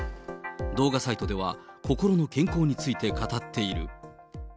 動画サイトでは、心の健康について語っている。